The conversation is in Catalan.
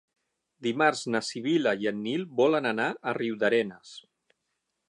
Dimarts na Sibil·la i en Nil volen anar a Riudarenes.